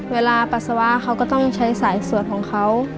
ปัสสาวะเขาก็ต้องใช้สายสวดของเขา